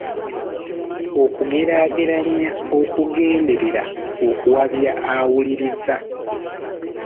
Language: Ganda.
Okugeraageranya okugenderera okuwabya awuliriza.